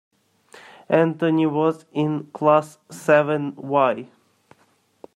Anthony was in class seven Y.